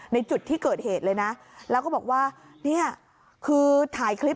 ในจุดที่เกิดเหตุเลยนะแล้วก็บอกว่าเนี่ยคือถ่ายคลิป